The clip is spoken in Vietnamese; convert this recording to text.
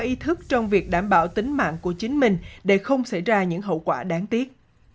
ý thức trong việc đảm bảo tính mạng của chính mình để không xảy ra những hậu quả đáng tiếc